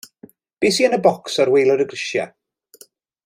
Be' sy' yn y bocs ar waelod y grisia'?